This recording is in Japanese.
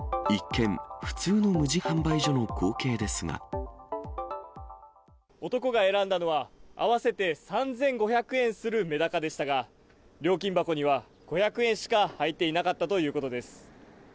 一見、男が選んだのは、合わせて３５００円するメダカでしたが、料金箱には５００円しか入っていなかったということです。